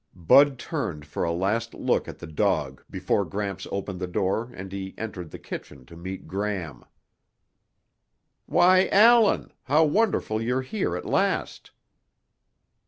Bud turned for a last look at the dog before Gramps opened the door and he entered the kitchen to meet Gram. "Why, Allan! How wonderful you're here at last!"